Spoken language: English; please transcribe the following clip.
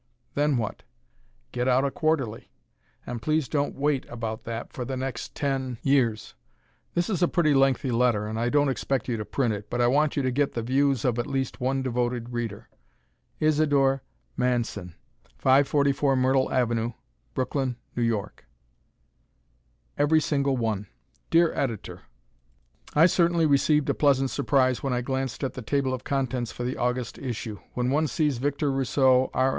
Then what? Get out a Quarterly! And please don't wait about that for the next ten years. This is a pretty lengthy letter and I don't expect you to print it but I want you to get the views of at least one devoted reader Isidore Mansen, 544 Myrtle Ave., Brooklyn, N. Y. Every Single One Dear Editor: I certainly received a pleasant surprise when I glanced at the table of contents for the August issue. When one sees Victor Rousseau, R.